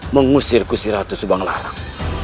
mengusir gusti ratu subanglarang